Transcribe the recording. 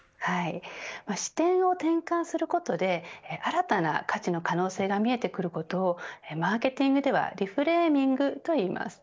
視点を転換することで新たな価値の可能性が見えてくることをマーケティングではリフレーミングといいます。